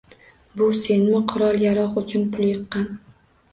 Bu senmi qurol-yarog` uchun pul yiqqan